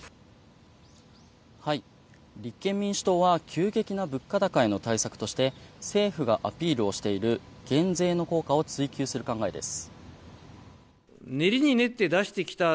立憲民主党は急激な物価高への対策として政府がアピールをしている減税の効果を追及する考えです。